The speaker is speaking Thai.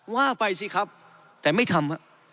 ว่าไปสิครับแต่ไม่ทำ